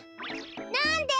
なんで？